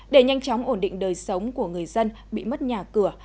để nhanh chóng ổn định đời sống của người dân bị mất nhà cửa